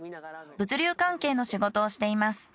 物流関係の仕事をしています。